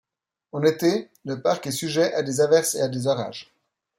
En été, le parc est sujet à des averses et à des orages.